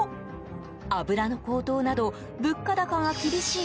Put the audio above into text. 油の高騰など物価高が厳しい